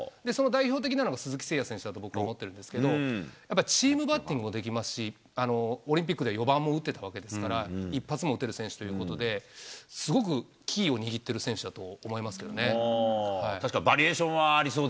あともう１個いう、この能力も高いので、一発で決めることができるメンバーがそろってると思うんですよ、その代表的なのが鈴木誠也選手だと僕は思ってるんですけど、やっぱりチームバッティングもできますし、オリンピックで４番も打ってたわけですから、一発を打てる選手ということで、すごくキーを握ってる選手だと思いますけどね。